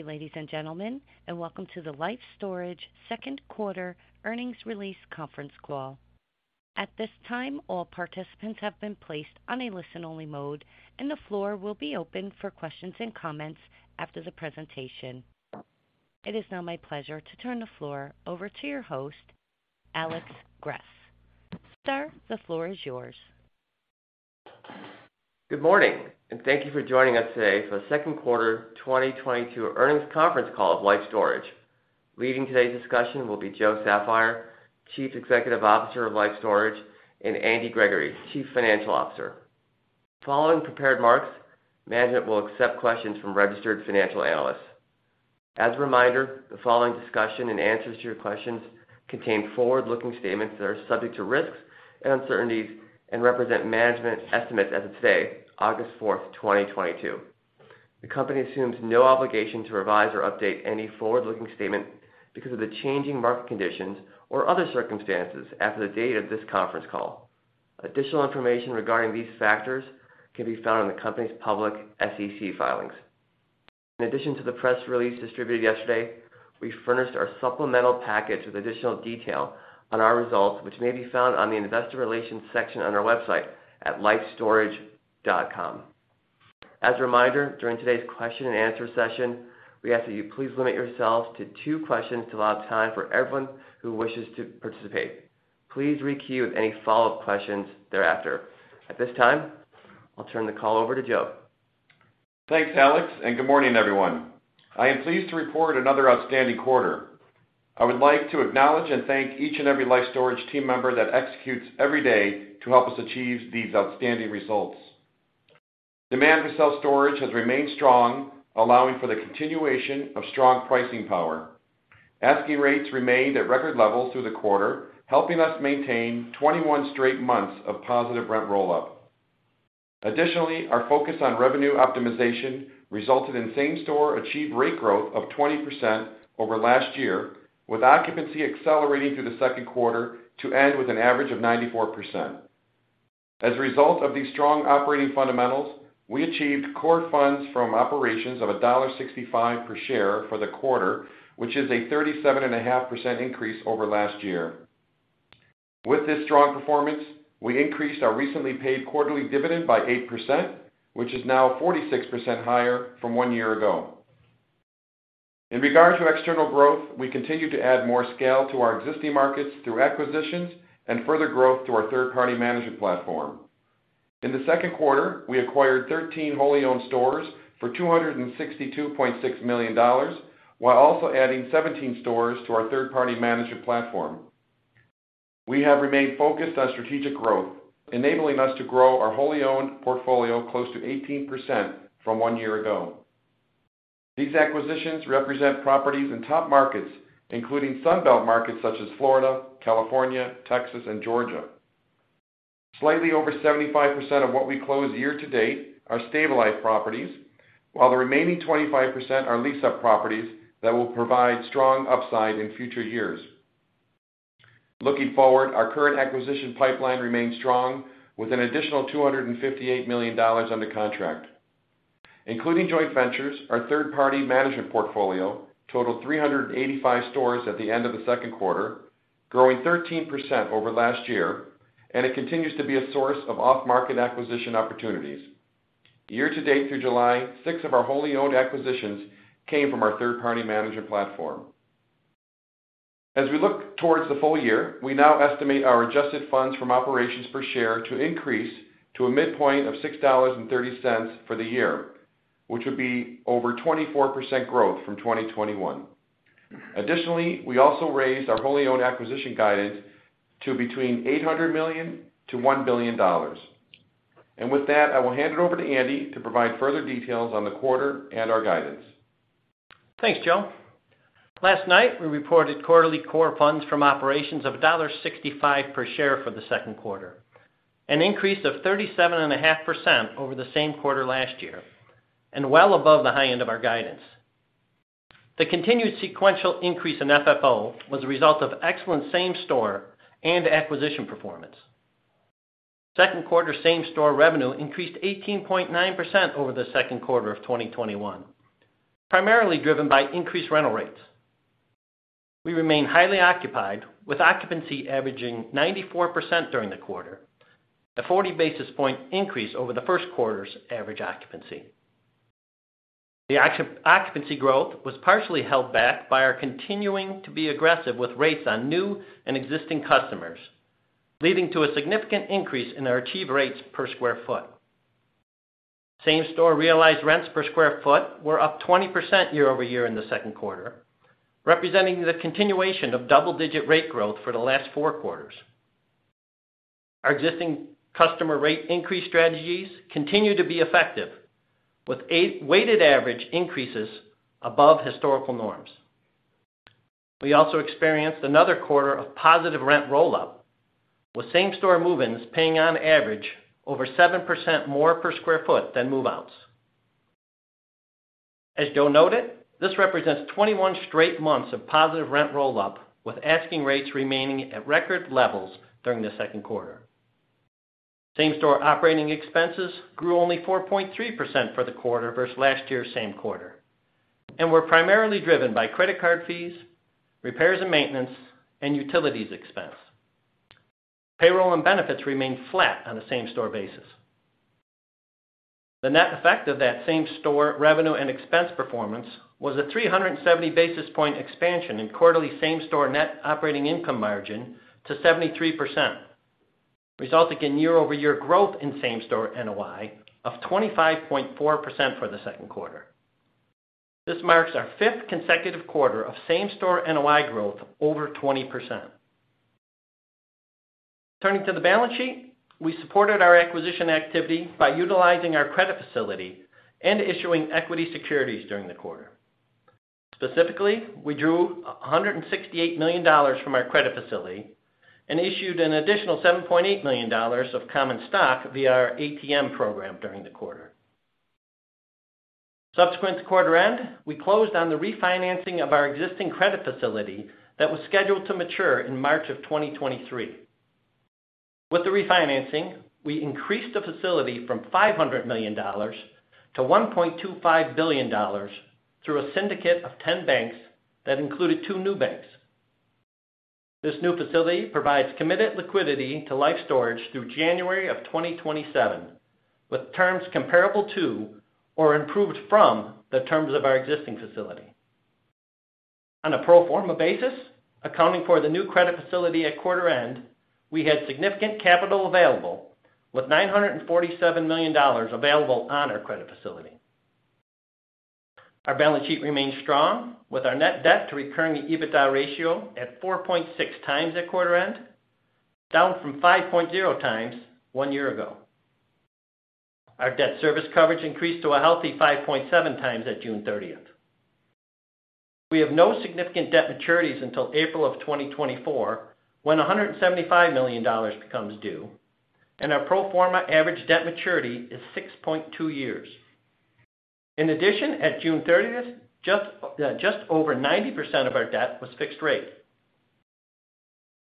Ladies and gentlemen, and welcome to the Life Storage second quarter earnings release conference call. At this time, all participants have been placed on a listen-only mode, and the floor will be open for questions and comments after the presentation. It is now my pleasure to turn the floor over to your host, Alex Gress. Sir, the floor is yours. Good morning, and thank you for joining us today for the second quarter 2022 earnings conference call of Life Storage. Leading today's discussion will be Joe Saffire, Chief Executive Officer of Life Storage, and Andy Gregoire, Chief Financial Officer. Following prepared remarks, management will accept questions from registered financial analysts. As a reminder, the following discussion and answers to your questions contain forward-looking statements that are subject to risks and uncertainties and represent management estimates as of today, August fourth, 2022. The company assumes no obligation to revise or update any forward-looking statement because of the changing market conditions or other circumstances after the date of this conference call. Additional information regarding these factors can be found in the company's public SEC filings. In addition to the press release distributed yesterday, we furnished our supplemental package with additional detail on our results, which may be found on the investor relations section on our website at lifestorage.com. As a reminder, during today's question-and-answer session, we ask that you please limit yourselves to two questions to allow time for everyone who wishes to participate. Please re-queue any follow-up questions thereafter. At this time, I'll turn the call over to Joe. Thanks, Alex, and good morning, everyone. I am pleased to report another outstanding quarter. I would like to acknowledge and thank each and every Life Storage team member that executes every day to help us achieve these outstanding results. Demand for self-storage has remained strong, allowing for the continuation of strong pricing power. Asking rates remained at record levels through the quarter, helping us maintain 21 straight months of positive rent roll-up. Additionally, our focus on revenue optimization resulted in same-store achieved rate growth of 20% over last year, with occupancy accelerating through the second quarter to end with an average of 94%. As a result of these strong operating fundamentals, we achieved core funds from operations of $1.65 per share for the quarter, which is a 37.5% increase over last year. With this strong performance, we increased our recently paid quarterly dividend by 8%, which is now 46% higher from one year ago. In regard to external growth, we continue to add more scale to our existing markets through acquisitions and further growth to our third-party management platform. In the second quarter, we acquired 13 wholly owned stores for $262.6 million while also adding 17 stores to our third-party management platform. We have remained focused on strategic growth, enabling us to grow our wholly owned portfolio close to 18% from one year ago. These acquisitions represent properties in top markets, including Sun Belt markets such as Florida, California, Texas, and Georgia. Slightly over 75% of what we closed year to date are stabilized properties, while the remaining 25% are lease-up properties that will provide strong upside in future years. Looking forward, our current acquisition pipeline remains strong with an additional $258 million under contract. Including joint ventures, our third-party management portfolio totaled 385 stores at the end of the second quarter, growing 13% over last year, and it continues to be a source of off-market acquisition opportunities. Year to date through July, six of our wholly owned acquisitions came from our third-party management platform. As we look towards the full year, we now estimate our adjusted funds from operations per share to increase to a midpoint of $6.30 for the year, which would be over 24% growth from 2021. Additionally, we also raised our wholly owned acquisition guidance to between $800 million-$1 billion. With that, I will hand it over to Andy to provide further details on the quarter and our guidance. Thanks, Joe. Last night, we reported quarterly core funds from operations of $1.65 per share for the second quarter, an increase of 37.5% over the same quarter last year, and well above the high end of our guidance. The continued sequential increase in FFO was a result of excellent same store and acquisition performance. Second quarter same store revenue increased 18.9% over the second quarter of 2021, primarily driven by increased rental rates. We remain highly occupied, with occupancy averaging 94% during the quarter, a 40 basis point increase over the first quarter's average occupancy. The occupancy growth was partially held back by our continuing to be aggressive with rates on new and existing customers, leading to a significant increase in our achieved rates per square foot. Same-store realized rents per sq ft were up 20% year-over-year in the second quarter, representing the continuation of double-digit rate growth for the last 4 quarters. Our existing customer rate increase strategies continue to be effective, with a weighted average increases above historical norms. We also experienced another quarter of positive rent roll-up, with same-store move-ins paying on average over 7% more per sq ft than move-outs. As Joe noted, this represents 21 straight months of positive rent roll-up, with asking rates remaining at record levels during the second quarter. Same-store operating expenses grew only 4.3% for the quarter versus last year's same quarter, and were primarily driven by credit card fees, repairs and maintenance, and utilities expense. Payroll and benefits remained flat on a same-store basis. The net effect of that same-store revenue and expense performance was a 370 basis point expansion in quarterly same-store net operating income margin to 73%, resulting in year-over-year growth in same-store NOI of 25.4% for the second quarter. This marks our fifth consecutive quarter of same-store NOI growth over 20%. Turning to the balance sheet. We supported our acquisition activity by utilizing our credit facility and issuing equity securities during the quarter. Specifically, we drew $168 million from our credit facility and issued an additional $7.8 million of common stock via our ATM program during the quarter. Subsequent to quarter end, we closed on the refinancing of our existing credit facility that was scheduled to mature in March of 2023. With the refinancing, we increased the facility from $500 million to $1.25 billion through a syndicate of 10 banks that included two new banks. This new facility provides committed liquidity to Life Storage through January 2027, with terms comparable to or improved from the terms of our existing facility. On a pro forma basis, accounting for the new credit facility at quarter end, we had significant capital available with $947 million available on our credit facility. Our balance sheet remains strong with our net debt to recurring EBITDA ratio at 4.6x at quarter end, down from 5.0x one year ago. Our debt service coverage increased to a healthy 5.7x at June 30. We have no significant debt maturities until April of 2024, when $175 million becomes due, and our pro forma average debt maturity is 6.2 years. In addition, at June 30, just over 90% of our debt was fixed rate.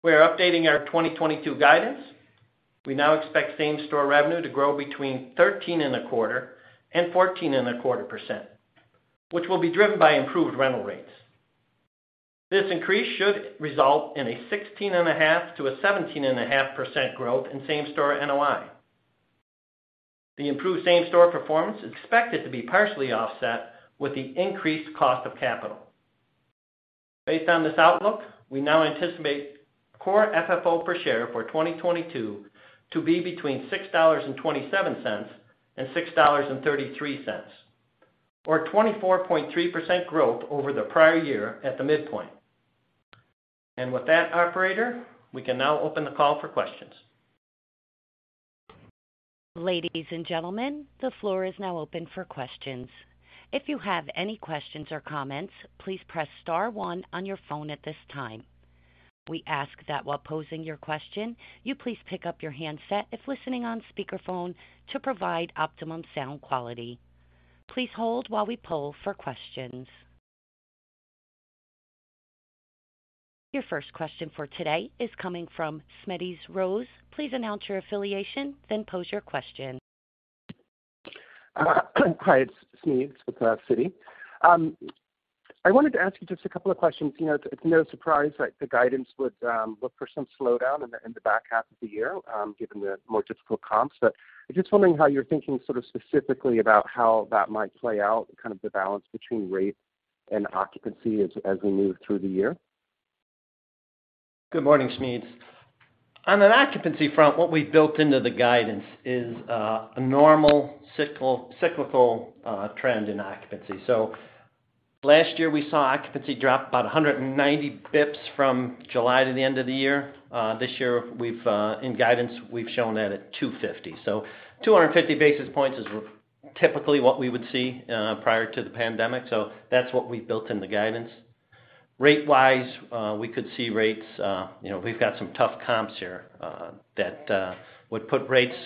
We are updating our 2022 guidance. We now expect same-store revenue to grow between 13.25% and 14.25%, which will be driven by improved rental rates. This increase should result in a 16.5%-17.5% growth in same-store NOI. The improved same-store performance is expected to be partially offset with the increased cost of capital. Based on this outlook, we now anticipate core FFO per share for 2022 to be between $6.27 and $6.33, or 24.3% growth over the prior year at the midpoint. With that operator, we can now open the call for questions. Ladies and gentlemen, the floor is now open for questions. If you have any questions or comments, please press star one on your phone at this time. We ask that while posing your question, you please pick up your handset if listening on speakerphone to provide optimum sound quality. Please hold while we poll for questions. Your first question for today is coming from Smedes Rose. Please announce your affiliation, then pose your question. Hi, it's Smedes with Citi. I wanted to ask you just a couple of questions. You know, it's no surprise that the guidance would look for some slowdown in the back half of the year, given the more difficult comps. I'm just wondering how you're thinking sort of specifically about how that might play out, kind of the balance between rate and occupancy as we move through the year. Good morning, Smedes. On an occupancy front, what we've built into the guidance is a normal cyclical trend in occupancy. Last year, we saw occupancy drop about 190 basis points from July to the end of the year. This year we've in guidance, we've shown that at 250. 250 basis points is typically what we would see prior to the pandemic. That's what we've built in the guidance. Rate-wise, we could see rates, you know, we've got some tough comps here, that would put rates,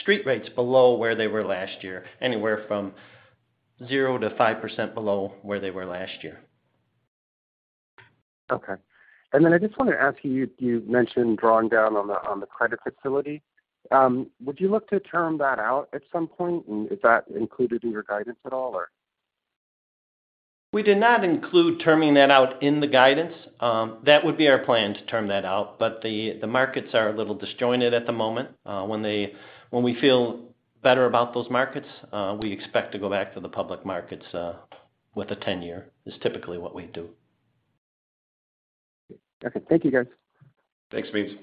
street rates below where they were last year, anywhere from 0%-5% below where they were last year. Okay. I just wanna ask you mentioned drawing down on the credit facility. Would you look to term that out at some point? Is that included in your guidance at all, or? We did not include terming that out in the guidance. That would be our plan to term that out, but the markets are a little disjointed at the moment. When we feel better about those markets, we expect to go back to the public markets with a 10-year, is typically what we do. Okay. Thank you, guys. Thanks, Smedes.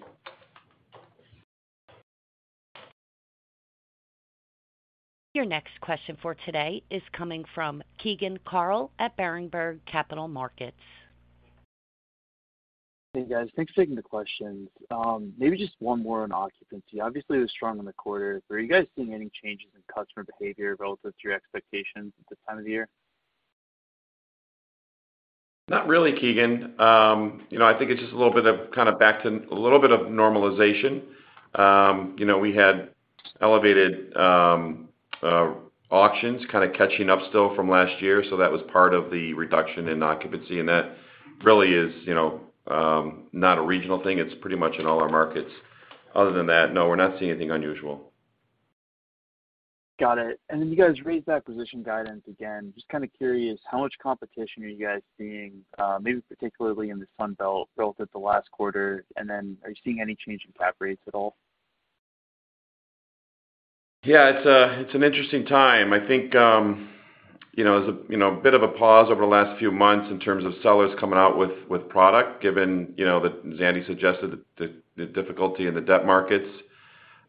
Your next question for today is coming from Keegan Carl at Berenberg Capital Markets. Hey, guys. Thanks for taking the questions. Maybe just one more on occupancy. Obviously, it was strong in the quarter. Are you guys seeing any changes in customer behavior relative to your expectations at this time of the year? Not really, Keegan. You know, I think it's just a little bit of, kind of back to a little bit of normalization. You know, we had elevated auctions kind of catching up still from last year, so that was part of the reduction in occupancy, and that really is, you know, not a regional thing. It's pretty much in all our markets. Other than that, no, we're not seeing anything unusual. Got it. You guys raised that position guidance again. Just kind of curious, how much competition are you guys seeing, maybe particularly in the Sun Belt relative to last quarter? Are you seeing any change in cap rates at all? Yeah, it's an interesting time. I think, you know, as a, you know, a bit of a pause over the last few months in terms of sellers coming out with product, given, you know, that Andy suggested the difficulty in the debt markets.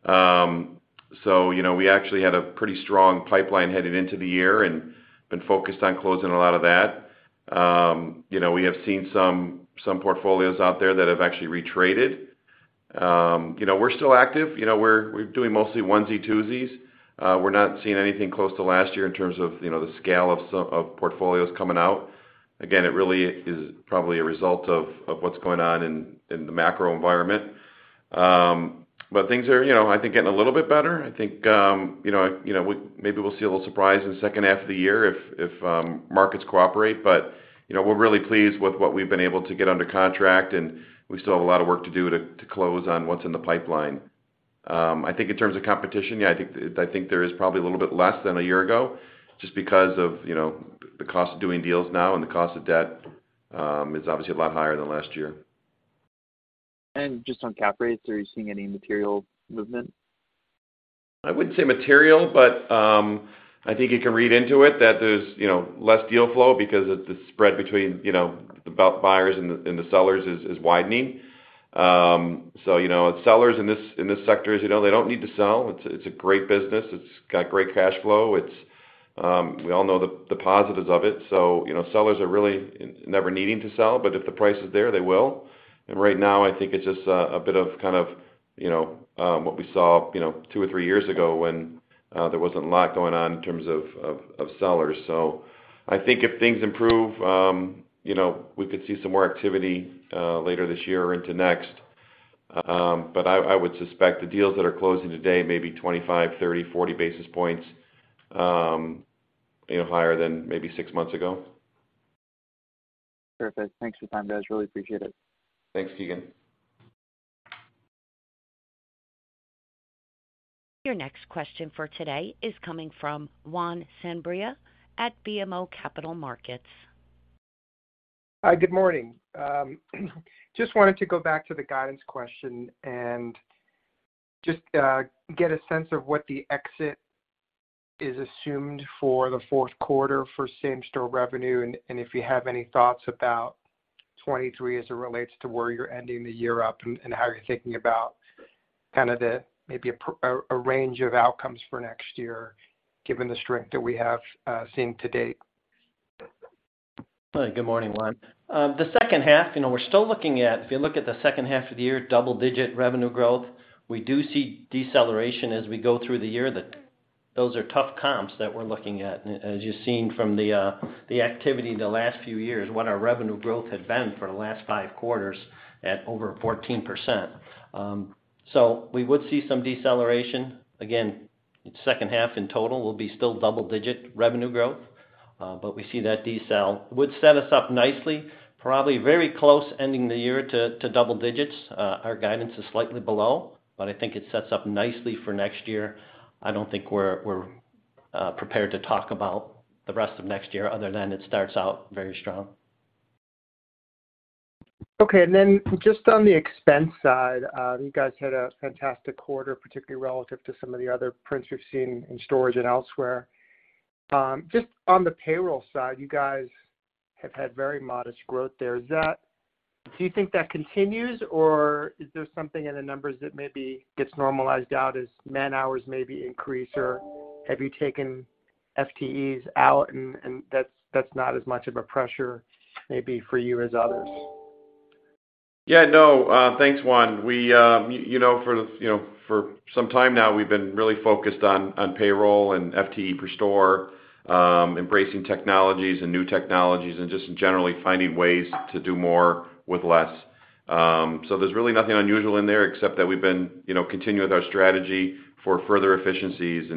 You know, we actually had a pretty strong pipeline headed into the year and been focused on closing a lot of that. You know, we have seen some portfolios out there that have actually re-traded. You know, we're still active. You know, we're doing mostly onesie-twosies. We're not seeing anything close to last year in terms of, you know, the scale of portfolios coming out. Again, it really is probably a result of what's going on in the macro environment. Things are, you know, I think getting a little bit better. I think you know, maybe we'll see a little surprise in the second half of the year if markets cooperate. You know, we're really pleased with what we've been able to get under contract, and we still have a lot of work to do to close on what's in the pipeline. I think in terms of competition, yeah, I think there is probably a little bit less than a year ago just because of, you know, the cost of doing deals now and the cost of debt is obviously a lot higher than last year. Just on cap rates, are you seeing any material movement? I wouldn't say material, but I think you can read into it that there's, you know, less deal flow because of the spread between, you know, the buyers and the sellers is widening. You know, sellers in this sector, as you know, they don't need to sell. It's a great business. It's got great cash flow. It's, we all know the positives of it. You know, sellers are really never needing to sell, but if the price is there, they will. Right now, I think it's just a bit of kind of, you know, what we saw, you know, two or three years ago when there wasn't a lot going on in terms of sellers. I think if things improve, you know, we could see some more activity later this year into next. I would suspect the deals that are closing today may be 25, 30, 40 basis points, you know, higher than maybe six months ago. Perfect. Thanks for your time, guys. Really appreciate it. Thanks, Keegan. Your next question for today is coming from Juan Sanabria at BMO Capital Markets. Hi, good morning. Just wanted to go back to the guidance question and just get a sense of what the exit is assumed for the fourth quarter for same-store revenue, and if you have any thoughts about 2023 as it relates to where you're ending the year up and how you're thinking about kind of the maybe a range of outcomes for next year, given the strength that we have seen to date. Good morning, Juan. The second half, you know, we're still looking at, if you look at the second half of the year, double-digit revenue growth. We do see deceleration as we go through the year, that those are tough comps that we're looking at, as you've seen from the activity in the last few years, what our revenue growth had been for the last five quarters at over 14%. So we would see some deceleration. Again, second half in total will be still double-digit revenue growth, but we see that decel would set us up nicely, probably very close ending the year to double digits. Our guidance is slightly below, but I think it sets up nicely for next year. I don't think we're prepared to talk about the rest of next year other than it starts out very strong. Okay, just on the expense side, you guys had a fantastic quarter, particularly relative to some of the other prints we've seen in storage and elsewhere. Just on the payroll side, you guys have had very modest growth there. Is that, do you think that continues, or is there something in the numbers that maybe gets normalized out as man-hours maybe increase, or have you taken FTEs out and that's not as much of a pressure maybe for you as others? Yeah, no. Thanks, Juan. You know, for some time now, we've been really focused on payroll and FTE per store, embracing technologies and new technologies and just generally finding ways to do more with less. There's really nothing unusual in there except that we've been you know, continuing with our strategy for further efficiencies.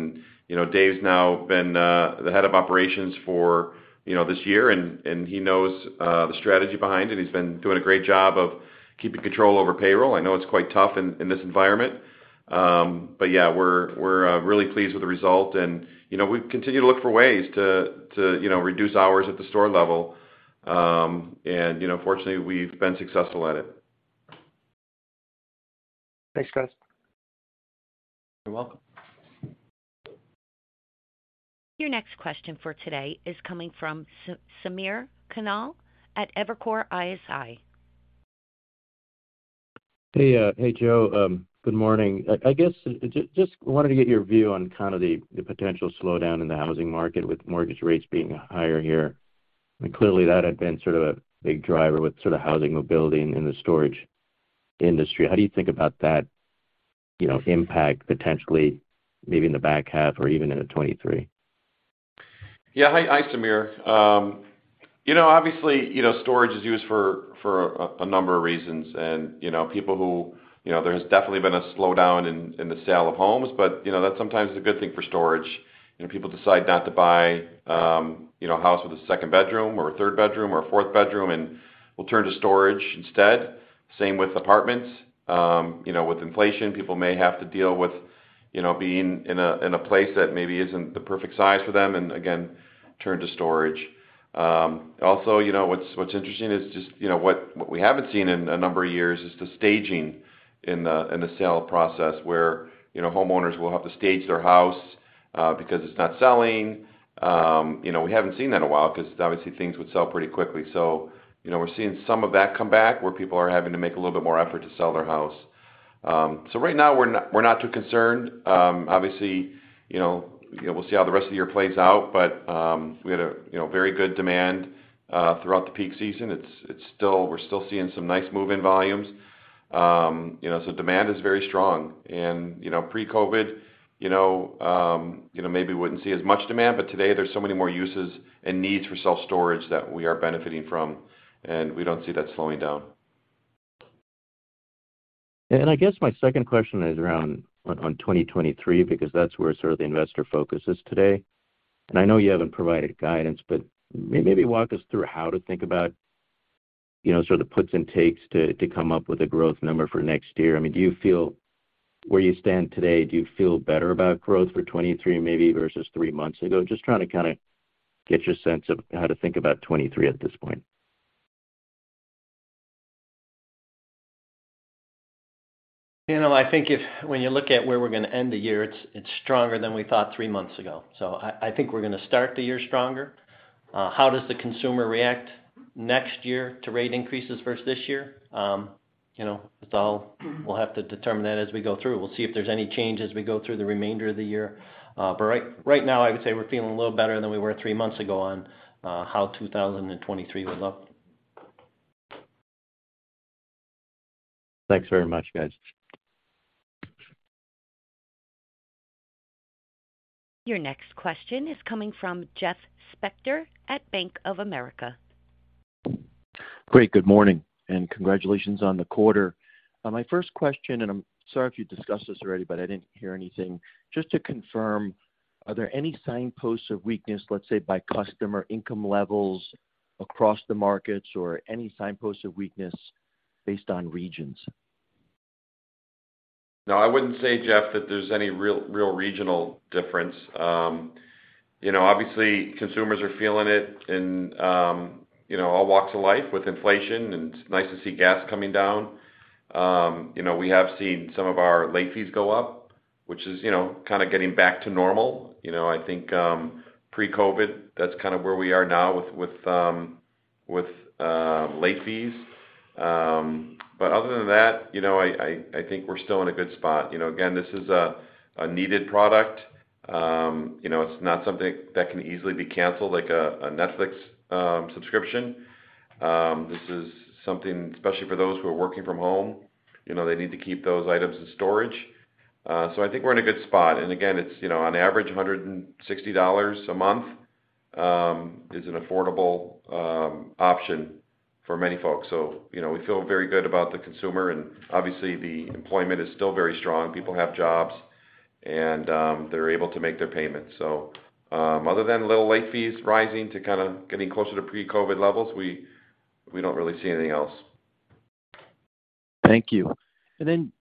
You know, Dave's now been the head of operations for you know, this year, and he knows the strategy behind it. He's been doing a great job of keeping control over payroll. I know it's quite tough in this environment. Yeah, we're really pleased with the result, and you know, we continue to look for ways to you know, reduce hours at the store level. You know, fortunately, we've been successful at it. Thanks, guys. You're welcome. Your next question for today is coming from Samir Khanal at Evercore ISI. Hey, Joe. Good morning. I guess just wanted to get your view on kind of the potential slowdown in the housing market with mortgage rates being higher here. Clearly, that had been sort of a big driver with sort of housing mobility in the storage industry. How do you think about that, you know, impact potentially maybe in the back half or even into 2023? Yeah. Hi, Samir. You know, obviously, you know, storage is used for a number of reasons and, you know, there's definitely been a slowdown in the sale of homes, but, you know, that sometimes is a good thing for storage. You know, people decide not to buy, you know, a house with a second bedroom or a third bedroom or a fourth bedroom and will turn to storage instead. Same with apartments. You know, with inflation, people may have to deal with, you know, being in a place that maybe isn't the perfect size for them, and again, turn to storage. Also, you know, what's interesting is just, you know, what we haven't seen in a number of years is the staging in the sale process where, you know, homeowners will have to stage their house because it's not selling. You know, we haven't seen that in a while 'cause obviously things would sell pretty quickly. You know, we're seeing some of that come back, where people are having to make a little bit more effort to sell their house. Right now we're not too concerned. Obviously, you know, we'll see how the rest of the year plays out, but we had, you know, very good demand throughout the peak season. It's still. We're still seeing some nice move-in volumes. You know, demand is very strong and, you know, pre-COVID, you know, maybe wouldn't see as much demand, but today there's so many more uses and needs for self-storage that we are benefiting from, and we don't see that slowing down. I guess my second question is around 2023 because that's where sort of the investor focus is today. I know you haven't provided guidance, but maybe walk us through how to think about, you know, sort of the puts and takes to come up with a growth number for next year. I mean, do you feel where you stand today, do you feel better about growth for 2023 maybe versus three months ago? Just trying to kinda get your sense of how to think about 2023 at this point. You know, I think if when you look at where we're gonna end the year, it's stronger than we thought three months ago. I think we're gonna start the year stronger. How does the consumer react next year to rate increases versus this year? You know, it's all we'll have to determine that as we go through. We'll see if there's any change as we go through the remainder of the year. Right now, I would say we're feeling a little better than we were three months ago on how 2023 will look. Thanks very much, guys. Your next question is coming from Jeffrey Spector at Bank of America. Great. Good morning and congratulations on the quarter. My first question, I'm sorry if you discussed this already, but I didn't hear anything. Just to confirm, are there any signposts of weakness, let's say, by customer income levels across the markets or any signposts of weakness based on regions? No, I wouldn't say, Jeff, that there's any real regional difference. You know, obviously consumers are feeling it in, you know, all walks of life with inflation, and it's nice to see gas coming down. You know, we have seen some of our late fees go up, which is, you know, kind of getting back to normal. You know, I think, pre-COVID, that's kind of where we are now with late fees. Other than that, you know, I think we're still in a good spot. You know, again, this is a needed product. You know, it's not something that can easily be canceled like a Netflix subscription. This is something, especially for those who are working from home, you know, they need to keep those items in storage. I think we're in a good spot. Again, it's, you know, on average, $160 a month is an affordable option for many folks. You know, we feel very good about the consumer, and obviously, the employment is still very strong. People have jobs and they're able to make their payments. Other than little late fees rising to kind of getting closer to pre-COVID levels, we don't really see anything else. Thank you. Then,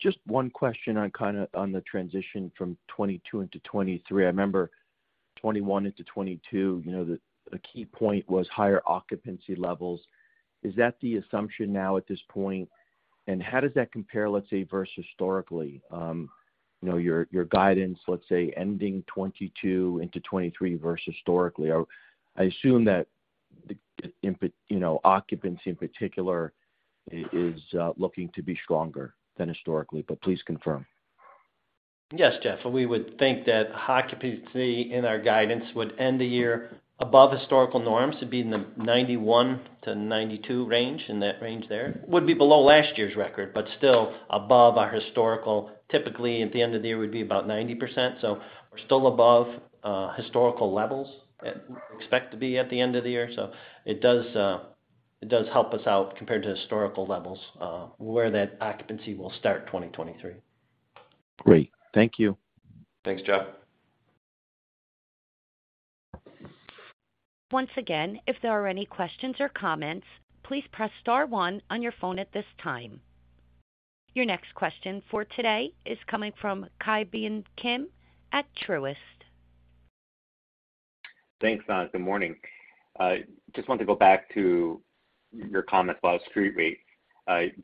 just one question on kinda on the transition from 2022 into 2023. I remember 2021 into 2022, you know, a key point was higher occupancy levels. Is that the assumption now at this point, and how does that compare, let's say, versus historically? You know, your guidance, let's say, ending 2022 into 2023 versus historically. I assume that the occupancy in particular is looking to be stronger than historically, but please confirm. Yes, Jeff. We would think that high occupancy in our guidance would end the year above historical norms. It'd be in the 91%-92% range, in that range there. Would be below last year's record, but still above our historical. Typically, at the end of the year would be about 90%, so we're still above historical levels we expect to be at the end of the year. It does help us out compared to historical levels where that occupancy will start in 2023. Great. Thank you. Thanks, Jeff. Once again, if there are any questions or comments, please press star one on your phone at this time. Your next question for today is coming from Ki Bin Kim at Truist. Thanks, guys. Good morning. Just wanted to go back to your comments about street rate.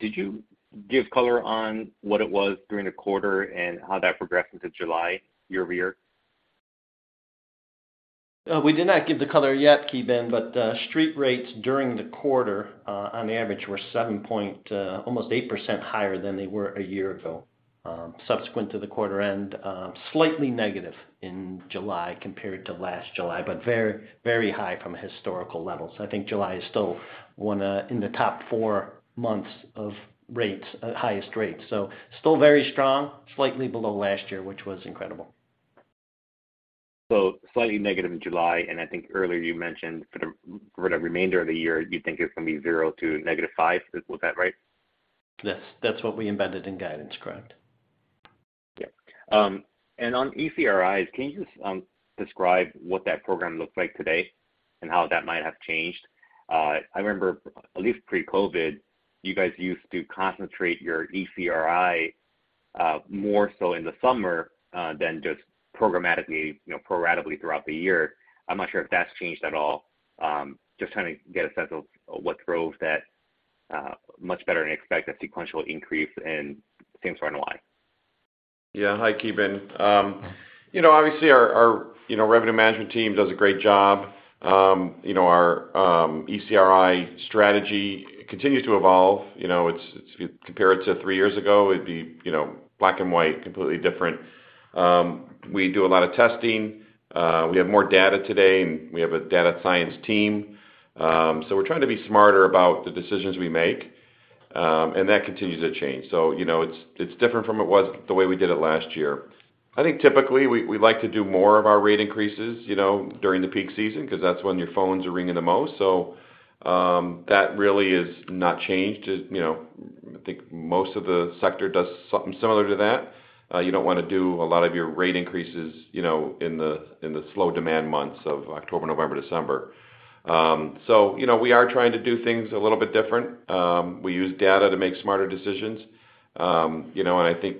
Did you give color on what it was during the quarter and how that progressed into July year-over-year? We did not give the color yet, Ki Bin, but street rates during the quarter on average were 7% almost 8% higher than they were a year ago, subsequent to the quarter end. Slightly negative in July compared to last July, but very, very high from historical levels. I think July is still 1 in the top 4 months of rates, highest rates. Still very strong, slightly below last year, which was incredible. Slightly negative in July, and I think earlier you mentioned for the remainder of the year, you think it's gonna be 0% to -5%. Is that right? Yes. That's what we embedded in guidance. Correct. Yeah. On ECRIs, can you describe what that program looks like today and how that might have changed? I remember at least pre-COVID, you guys used to concentrate your ECRI more so in the summer than just programmatically, you know, pro rata throughout the year. I'm not sure if that's changed at all. Just trying to get a sense of what drove that much better than expected sequential increase in same-store NOI. Why. Yeah. Hi, Ki Bin. You know, obviously our revenue management team does a great job. You know, our ECRI strategy continues to evolve. You know, it's compared to three years ago, it'd be, you know, black and white, completely different. We do a lot of testing. We have more data today, and we have a data science team. We're trying to be smarter about the decisions we make, and that continues to change. You know, it's different from it was the way we did it last year. I think typically we like to do more of our rate increases, you know, during the peak season 'cause that's when your phones are ringing the most. That really is not changed. You know, I think most of the sector does something similar to that. You don't wanna do a lot of your rate increases, you know, in the slow demand months of October, November, December. You know, we are trying to do things a little bit different. We use data to make smarter decisions. You know, I think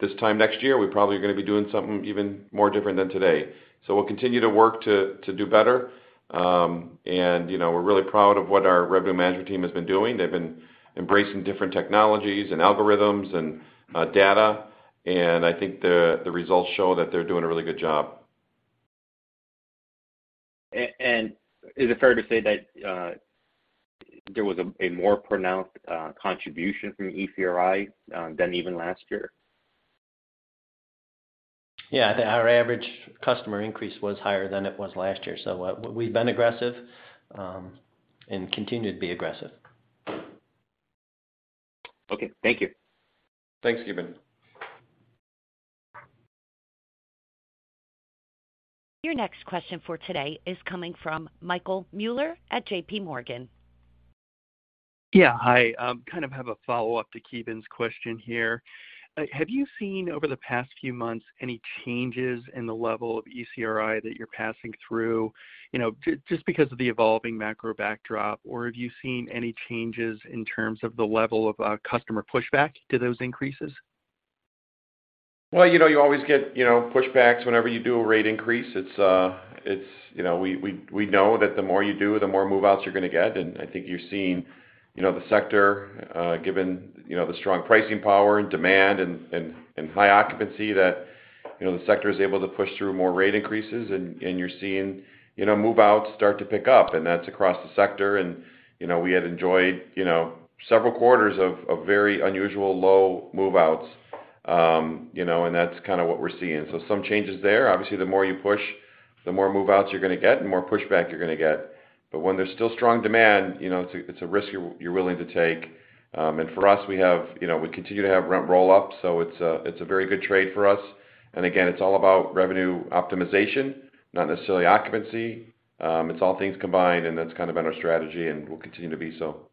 this time next year we probably are gonna be doing something even more different than today. We'll continue to work to do better. You know, we're really proud of what our revenue management team has been doing. They've been embracing different technologies and algorithms and data, and I think the results show that they're doing a really good job. Is it fair to say that there was a more pronounced contribution from ECRI than even last year? Yeah. Our average customer increase was higher than it was last year, so we've been aggressive and continue to be aggressive. Okay. Thank you. Thanks, Ki Bin. Your next question for today is coming from Michael Mueller at JP Morgan. Yeah. Hi. Kind of have a follow-up to Ki Bin's question here. Have you seen over the past few months any changes in the level of ECRI that you're passing through, you know, just because of the evolving macro backdrop, or have you seen any changes in terms of the level of customer pushback to those increases? Well, you know, you always get, you know, pushbacks whenever you do a rate increase. It's, you know, we know that the more you do, the more move-outs you're gonna get. I think you're seeing, you know, the sector, given, you know, the strong pricing power and demand and high occupancy that, you know, the sector is able to push through more rate increases and you're seeing, you know, move-outs start to pick up, and that's across the sector. You know, we had enjoyed, you know, several quarters of very unusual low move-outs. You know, that's kinda what we're seeing. Some changes there. Obviously, the more you push, the more move-outs you're gonna get and more pushback you're gonna get. When there's still strong demand, you know, it's a risk you're willing to take. For us, you know, we continue to have rent roll-ups, so it's a very good trade for us. Again, it's all about revenue optimization, not necessarily occupancy. It's all things combined, and that's kind of been our strategy and will continue to be so.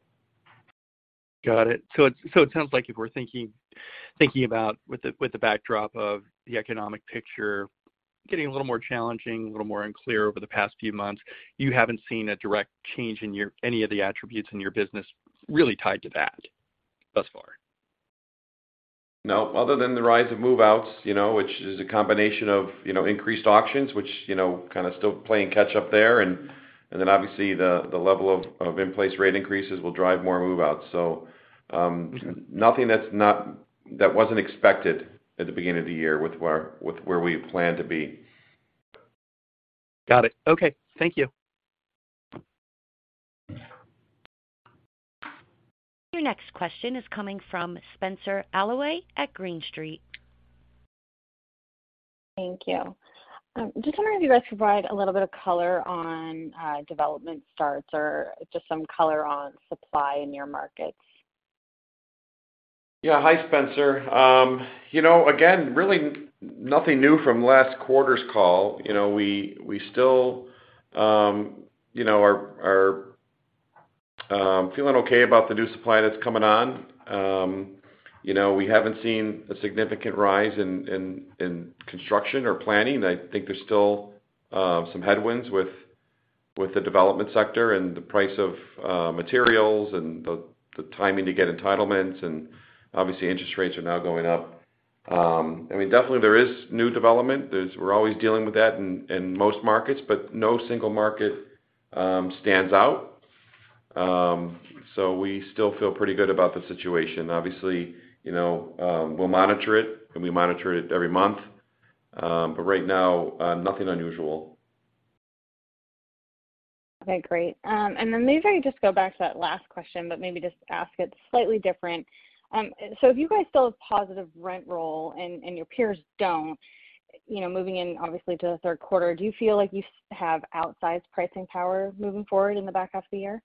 Got it. It sounds like if we're thinking about the backdrop of the economic picture getting a little more challenging, a little more unclear over the past few months, you haven't seen a direct change in any of the attributes in your business really tied to that thus far? No, other than the rise of move-outs, you know, which is a combination of, you know, increased auctions, which, you know, kind of still playing catch up there. Obviously the level of in-place rate increases will drive more move-outs. Nothing that wasn't expected at the beginning of the year with where we plan to be. Got it. Okay. Thank you. Your next question is coming from Spenser Allaway at Green Street. Thank you. Just wondering if you guys could provide a little bit of color on development starts or just some color on supply in your markets? Yeah. Hi, Spenser. You know, again, really nothing new from last quarter's call. You know, we still, you know, are feeling okay about the new supply that's coming on. You know, we haven't seen a significant rise in construction or planning. I think there's still some headwinds with the development sector and the price of materials and the timing to get entitlements, and obviously interest rates are now going up. I mean, definitely there is new development. We're always dealing with that in most markets, but no single market stands out. We still feel pretty good about the situation. Obviously, you know, we'll monitor it, and we monitor it every month. Right now, nothing unusual. Okay. Great. Maybe I can just go back to that last question, but maybe just ask it slightly different. If you guys still have positive rent roll and your peers don't, you know, moving in obviously to the third quarter, do you feel like you have outsized pricing power moving forward in the back half of the year?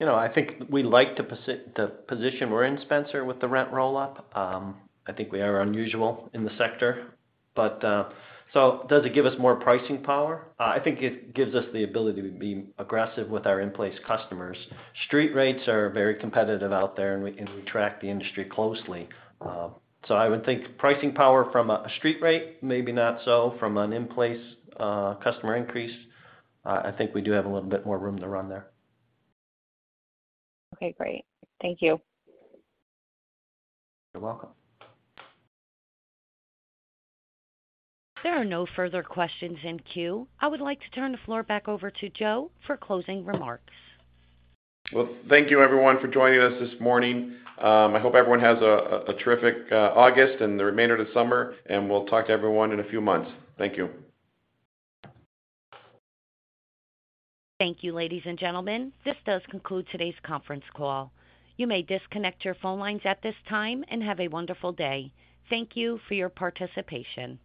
You know, I think we like the position we're in, Spenser, with the rent roll-up. I think we are unusual in the sector, but so does it give us more pricing power? I think it gives us the ability to be aggressive with our in-place customers. Street rates are very competitive out there, and we track the industry closely. So I would think pricing power from a street rate, maybe not so. From an in-place customer increase, I think we do have a little bit more room to run there. Okay, great. Thank you. You're welcome. There are no further questions in queue. I would like to turn the floor back over to Joe for closing remarks. Well, thank you everyone for joining us this morning. I hope everyone has a terrific August and the remainder of the summer, and we'll talk to everyone in a few months. Thank you. Thank you, ladies and gentlemen. This does conclude today's conference call. You may disconnect your phone lines at this time and have a wonderful day. Thank you for your participation.